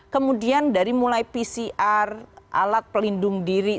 kemudian dari mulai pcr alat pelindung diri